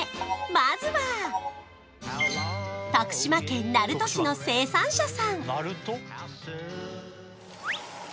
まずは徳島県鳴門市の生産者さん